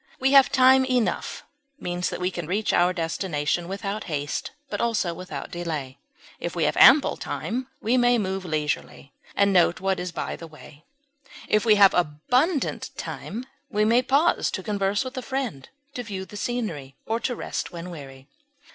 We have time enough, means that we can reach our destination without haste, but also without delay; if we have ample time, we may move leisurely, and note what is by the way; if we have abundant time, we may pause to converse with a friend, to view the scenery, or to rest when weary.